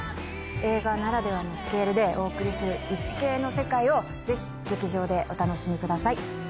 映画ならではのスケールでお送りするイチケイの世界をぜひ劇場でお楽しみください。